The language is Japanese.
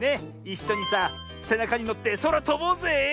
いっしょにさせなかにのってそらとぼうぜえ！